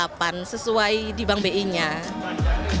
bank indonesia jawa timur